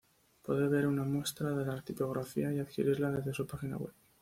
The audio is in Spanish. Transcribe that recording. Puede ver una muestra de la tipografía y adquirirla desde su página web.